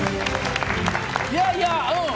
いやいやうん。